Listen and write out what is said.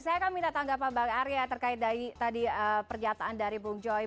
saya akan minta tanggapan bang arya terkait dari tadi pernyataan dari bung joy